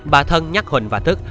bà thân nhắc huỳnh và thức